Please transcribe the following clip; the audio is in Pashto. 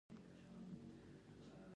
د ګیلاس کمپوټ ډیر خوندور وي.